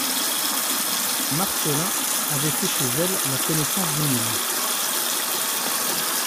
Marcelin avait fait chez elle la connaissance d'Émile.